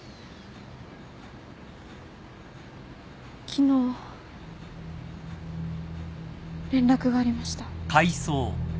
昨日連絡がありました。